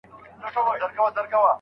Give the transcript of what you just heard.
پښتو ژبه زموږ د ټولنې د پرمختګ لاره ده